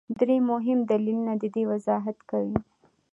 درې مهم دلیلونه د دې وضاحت کوي.